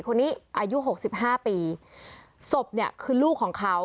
คนนี้อายุ๖๕ปีศพนี่คือลูกของเขา